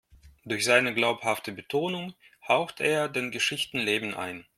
Durch seine glaubhafte Betonung haucht er den Geschichten Leben ein.